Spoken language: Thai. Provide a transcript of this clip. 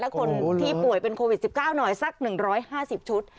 และคนที่ป่วยเป็นโควิด๑๙หน่อยสัก๑๕๐ชุด